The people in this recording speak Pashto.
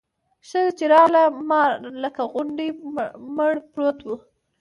ښځه چې راغله مار لکه غونډی مړ پروت و.